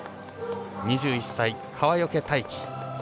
２１歳、川除大輝。